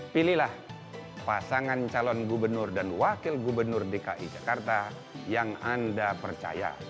pilihlah pasangan calon gubernur dan wakil gubernur dki jakarta yang anda percaya